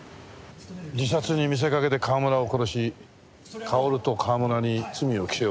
自殺に見せかけて川村を殺しかおると川村に罪を着せようとした。